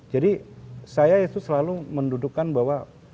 jadi saya itu selalu mendudukan bahwa